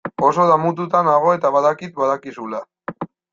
Oso damututa nago eta badakit badakizula.